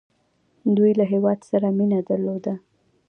دوی له هیواد سره مینه درلوده.